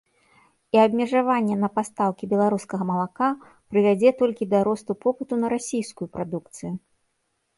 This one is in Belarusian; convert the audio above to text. І абмежаванне на пастаўкі беларускага малака прывядзе толькі да росту попыту на расійскую прадукцыю.